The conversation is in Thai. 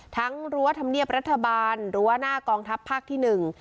รั้วธรรมเนียบรัฐบาลรั้วหน้ากองทัพภาคที่หนึ่ง